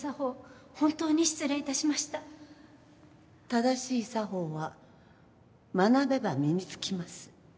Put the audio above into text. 正しい作法は学べば身に付きます。